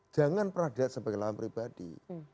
jangan pernah dilihat sebagai lawan pribadi